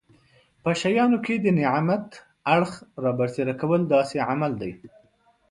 په شیانو کې د نعمت اړخ رابرسېره کول داسې عمل دی.